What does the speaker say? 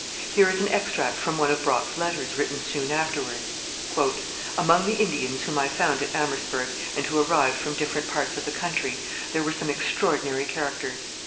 Here is an extract from one of Brock's letters written soon afterwards: Among the Indians whom I found at Amherstburg and who arrived from different parts of the country there were some extraordinary characters.